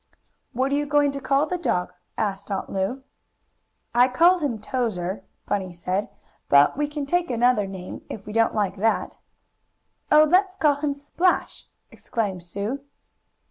"What are you going to call the dog?" asked Aunt Lu. "I called him Towser," Bunny said, "but we can take another name, if we don't like that." "Oh, let's call him Splash!" exclaimed Sue.